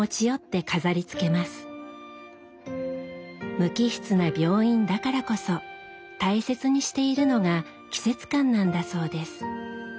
無機質な病院だからこそ大切にしているのが季節感なんだそうです。